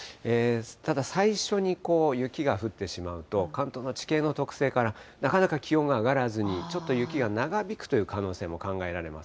ただ、最初に雪が降ってしまうと、関東の地形の特性から、なかなか気温が上がらずにちょっと雪が長引くという可能性も考えられます。